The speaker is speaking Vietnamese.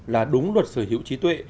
là đúng luật sở hữu trí tuệ